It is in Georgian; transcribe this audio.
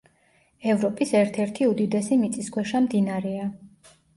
ევროპის ერთ-ერთი უდიდესი მიწისქვეშა მდინარეა.